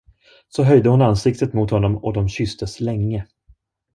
Så höjde hon ansiktet mot honom, och de kysstes länge.